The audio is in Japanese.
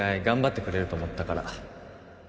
頑張ってくれると思ったから